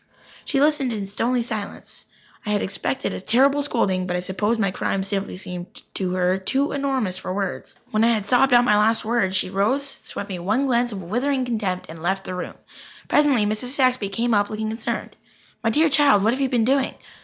She listened in stony silence. I had expected a terrible scolding, but I suppose my crimes simply seemed to her too enormous for words. When I had sobbed out my last word she rose, swept me one glance of withering contempt, and left the room. Presently Mrs. Saxby came up, looking concerned. "My dear child, what have you been doing?